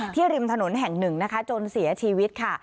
ริมถนนแห่งหนึ่งนะคะจนเสียชีวิตค่ะ